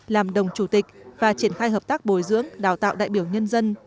làm đồng chủ tịch và triển khai hợp tác bồi dưỡng đào tạo đại biểu nhân dân